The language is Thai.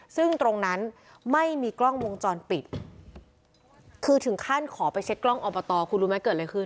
ซึ่งตรงนั้นไม่มีกล้องวงจรปิดคือถึงขั้นขอไปเช็คกล้องอบตคุณรู้ไหมเกิดอะไรขึ้น